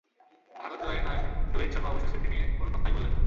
ভারতের জয়ের নায়ক রোহিত শর্মা অবশ্য সেটি নিয়ে কোনো কথাই বললেন না।